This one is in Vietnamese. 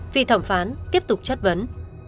vị thẩm phán tiếp tục chất vấn